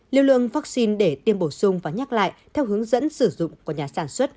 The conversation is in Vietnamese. liêu lượng vaccine để tiêm bổ sung và nhắc lại theo hướng dẫn sử dụng của nhà sản xuất